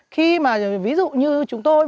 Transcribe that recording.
khi mà ví dụ như chúng tôi